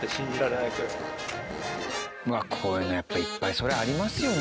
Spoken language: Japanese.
こういうのやっぱいっぱいそりゃありますよね。